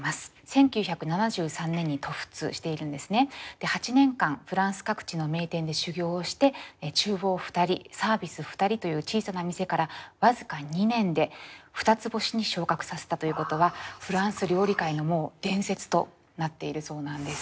で８年間フランス各地の名店で修業をして厨房２人サービス２人という小さな店から僅か２年で２つ星に昇格させたということはフランス料理界の伝説となっているそうなんです。